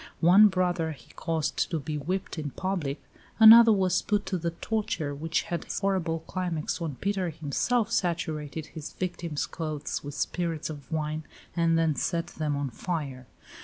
One brother he caused to be whipped in public; another was put to the torture, which had its horrible climax when Peter himself saturated his victim's clothes with spirits of wine, and then set them on fire.